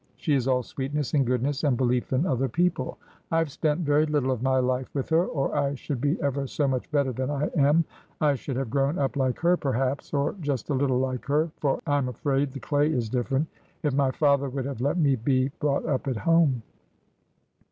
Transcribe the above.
She is all sweetness and goodness, and belief in other people. I have spent very little of my life with her, or I should be ever so much better than I am. I should have grown up like her perhaps — or just a little like her, for I'm afraid the clay is different— if my father would have let me be brought up at home.'